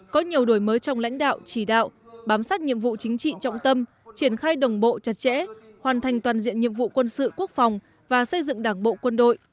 có nhiều đổi mới trong lãnh đạo chỉ đạo bám sát nhiệm vụ chính trị trọng tâm triển khai đồng bộ chặt chẽ hoàn thành toàn diện nhiệm vụ quân sự quốc phòng và xây dựng đảng bộ quân đội